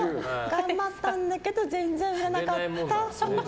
頑張ったんだけど全然、売れなかった。